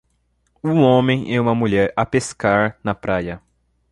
Um homem e uma mulher a pescar na praia.